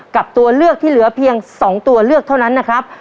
กับตัวเลือกที่เหลือเพียง๒ตัวเลือกเท่านั้นนะครับ